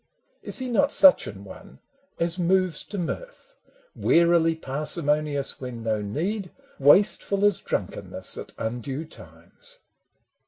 Is he not such an one as moves to mirth — Warily parsimonious, when no need, Wasteful as drunkenness at undue times